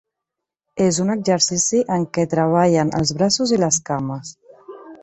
És un exercici en què treballen els braços i les cames.